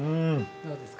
どうですか？